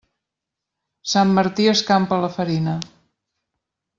Sant Martí escampa la farina.